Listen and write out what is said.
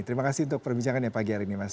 terima kasih untuk perbincangannya pagi hari ini mas